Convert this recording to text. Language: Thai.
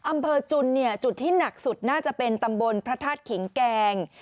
อำเภอจุนเนี่ยจุดที่หนักสุดน่าจะเป็นตำบลพระธาตุขิงแกง